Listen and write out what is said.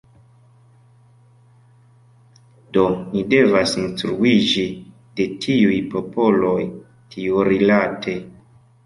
Do, ni devas instruiĝi de tiuj popoloj tiurilate.